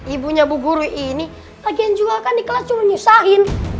ibunya bu burui ini lagi yang jual kan di kelas cuma menyusahin